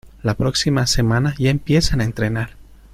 La próxima semana ya empiezan a entrenar.